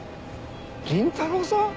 倫太郎さん？